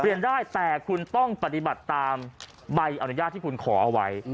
ได้แต่คุณต้องปฏิบัติตามใบอนุญาตที่คุณขอเอาไว้